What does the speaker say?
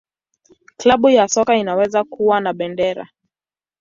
Klabu ya soka inaweza kuwa na bendera.